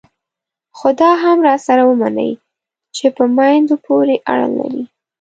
خو دا هم راسره ومنئ چې په میندو پورې اړه لري.